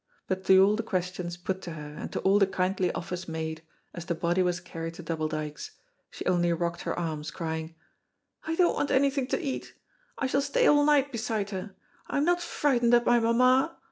But to all the questions put to her and to all the kindly offers made, as the body was carried to Double Dykes, she only rocked her arms, crying, "I don't want anything to eat. I shall stay all night beside her. I am not frightened at my mamma.